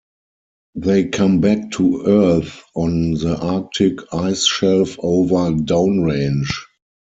They come back to Earth on the Arctic ice shelf over downrange.